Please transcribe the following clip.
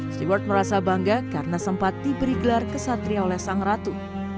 steward merasa bangga karena sempat diberi gelar kesatria oleh sang ratu